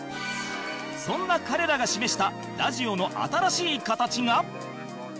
そんな彼らが示したラジオの新しい形が